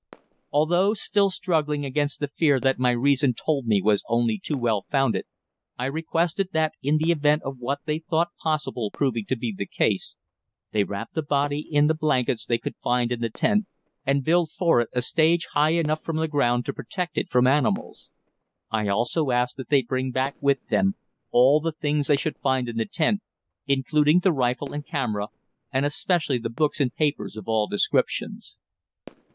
Although still struggling against the fear that my reason told me was only too well founded, I requested, that in the event of what they thought possible proving to be the case, they wrap the body in the blankets they would find in the tent, and build for it a stage high enough from the ground to protect it from animals. I also asked that they bring back with them all the things they should find in the tent, including the rifle and camera, and especially the books and papers of all descriptions.